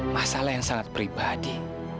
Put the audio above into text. masalah yang sangat pribadi